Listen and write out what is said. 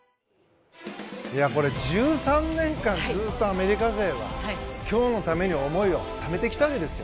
１３年間ずっとアメリカ勢は今日のために思いをためてきたわけですよ。